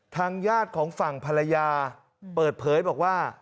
ทางญาติของฝั่งภรรยาเปิดเผยบอกว่า